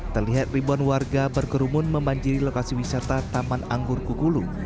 terlihat ribuan warga berkerumun membanjiri lokasi wisata taman anggur kukulu